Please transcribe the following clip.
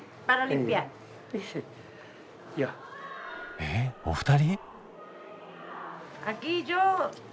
えお二人！？